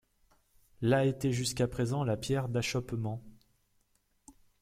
Là était jusqu'à présent la pierre d'achoppement.